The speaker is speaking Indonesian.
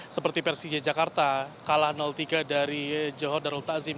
seperti persija jakarta kalah tiga dari johor darul takzim